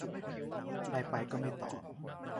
ไลน์ไปก็ไม่ตอบ